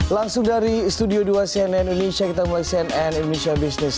langsung dari studio dua cnn indonesia kita mulai cnn indonesia business